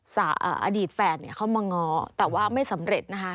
สาวอดีตแฟนเข้ามางอแต่ว่าไม่สำเร็จนะคะ